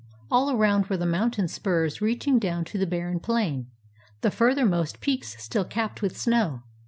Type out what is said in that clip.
All around were the mountain spurs reaching down to the barren plain, the furthermost peaks still capped with snow.